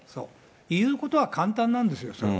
言うことは簡単なんですよ、それは。